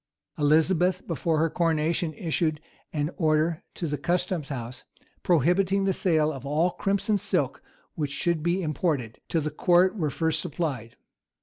Elizabeth, before her coronation, issued an order to the custom house, prohibiting the sale of all crimson silks which should be imported, till the court were first supplied.